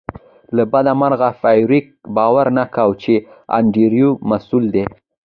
له بده مرغه فارویک باور نه کاوه چې انډریو مسؤل دی